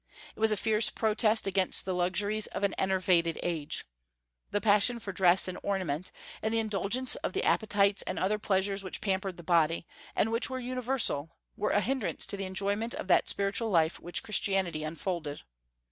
It was a fierce protest against the luxuries of an enervated age. The passion for dress and ornament, and the indulgence of the appetites and other pleasures which pampered the body, and which were universal, were a hindrance to the enjoyment of that spiritual life which Christianity unfolded.